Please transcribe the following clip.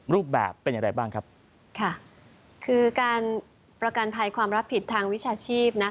รูปแบบเป็นอย่างไรบ้างครับค่ะคือการประกันภัยความรับผิดทางวิชาชีพนะคะ